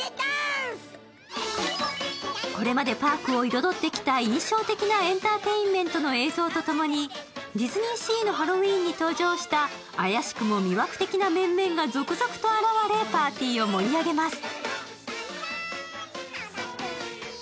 これまでパークを彩ってきた印象的なエンターテインメントの映像とともに、ディズニーシーのハロウィーンに登場した怪しくも魅惑的な面々が続々と現れ、パーティーを盛り上げます。